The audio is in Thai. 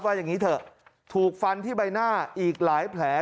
อย่างนี้เถอะถูกฟันที่ใบหน้าอีกหลายแผล